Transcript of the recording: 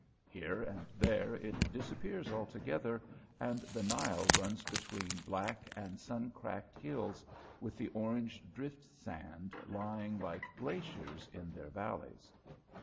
Here and there it disappears altogether, and the Nile runs between black and sun cracked hills, with the orange drift sand lying like glaciers in their valleys.